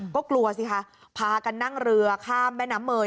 ก็กลัวสิคะพากันนั่งเรือข้ามแม่น้ำเมย